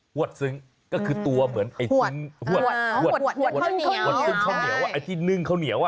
ฮวดซึ้งก็คือตัวเหมือนฮวดหวดจึงข้าวเหนียวที่เนื่องข้าวเหนียว